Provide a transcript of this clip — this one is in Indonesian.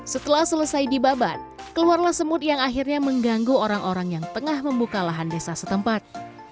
setelah selesai di babat keluarlah semut yang akhirnya mengganggu orang orang yang tengah membuka lahan desa setempat